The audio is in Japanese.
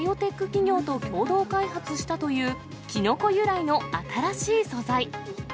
企業と共同開発したというキノコ由来の新しい素材。